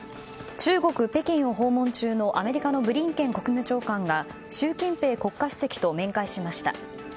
中国・北京を訪問中のアメリカのブリンケン国務長官が習近平国家主席と面会しました。